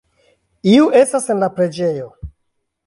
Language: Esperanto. Iu estas en la preĝejo.